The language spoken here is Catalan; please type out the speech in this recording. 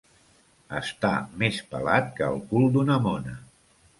Estar més pelat que el cul d'una mona.